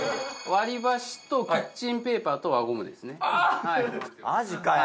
割り箸とキッチンペーパーと輪ゴムですねマジかよ